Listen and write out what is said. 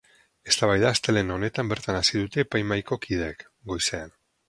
Eztabaida astelehen honetan bertan hasi dute epaimahaiko kideek, goizean.